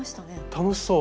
楽しそう。